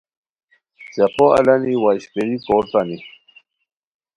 څیقو الانی وا اشپیری کورتانی